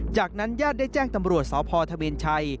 จากนั้นญาติได้แจ้งตำรวจสพทเวนชัย